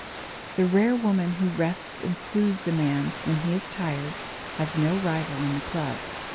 The rare woman who rests and soothes a man when he is tired has no rival in the club.